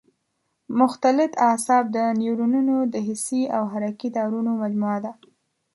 مختلط اعصاب د نیورونونو د حسي او حرکي تارونو مجموعه ده.